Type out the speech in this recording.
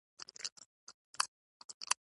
د ګورېلا او فیل اغېز تر انسان ډېر و.